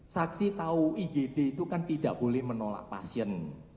saksi tahu igd itu kan tidak boleh menolak pasien